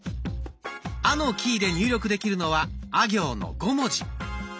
「あ」のキーで入力できるのは「あ」行の５文字。